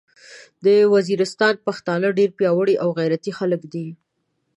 د ویزیریستان پختانه ډیر پیاوړي او غیرتي خلک دې